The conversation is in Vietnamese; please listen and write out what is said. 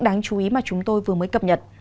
đáng chú ý mà chúng tôi vừa mới cập nhật